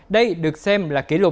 đây được xem là kỷ niệm